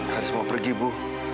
haris mau pergi bu